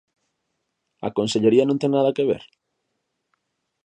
¿A consellería non ten nada que ver?